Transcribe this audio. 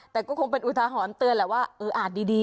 แต่ก็คงเป็นอุทาหรณ์เตือนแหละว่าเอออาจดี